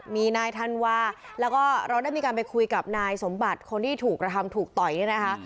มีนายธันวาแล้วก็เราได้มีการไปคุยกับนายสมบัติคนที่ถูกกระทำถูกต่อยเนี่ยนะคะ